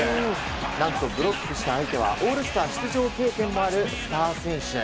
何とブロックした相手はオールスター出場経験のあるスター選手。